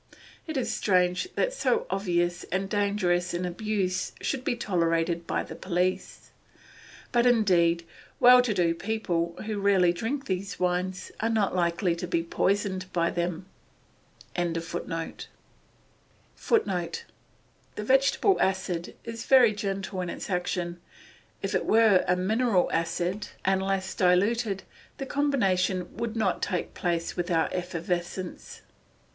It is strange that so obvious and dangerous an abuse should be tolerated by the police. But indeed well to do people, who rarely drink these wines, are not likely to be poisoned by them.] nor other metal in the wine the alkali will slowly [Footnote: The vegetable acid is very gentle in its action. If it were a mineral acid and less diluted, the combination would not take place without effervescence.